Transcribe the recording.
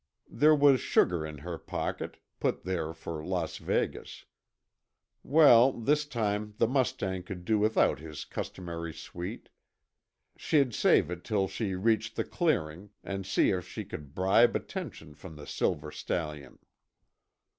There was sugar in her pocket, put there for Las Vegas. Well, this time the mustang could do without his customary sweet. She'd save it till she reached the clearing, and see if she could bribe attention from the silver stallion.